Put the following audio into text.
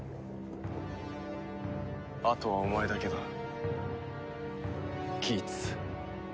あとはお前だけだギーツ。